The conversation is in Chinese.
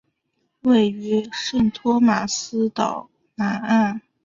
位于圣托马斯岛南岸。